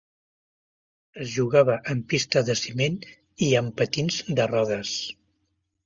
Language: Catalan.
Es jugava en pista de ciment i amb patins de rodes.